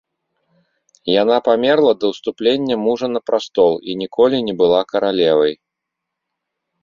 Яна памерла да ўступлення мужа на прастол і ніколі не была каралевай.